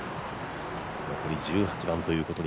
残り１８番。